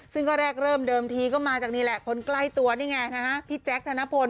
ซึ่งก็แรกเริ่มเดิมทีก็มาจากนี่แหละคนใกล้ตัวนี่ไงนะฮะพี่แจ๊คธนพล